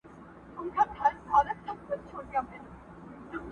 په دعا سو د امیر او د خپلوانو.!